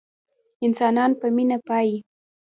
انسانان په مينه پايي